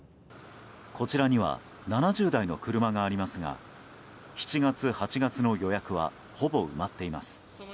こちらには７０台の車がありますが７月、８月の予約はほぼ埋まっています。